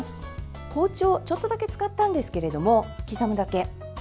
包丁、ちょっとだけ使ったんですけど刻むだけ。